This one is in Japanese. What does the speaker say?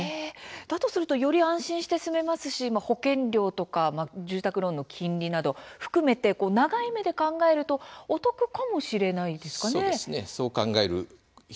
より安心して住めますし保険料とか住宅ローンの金利など長い目で考えるとお得かもしれないですね。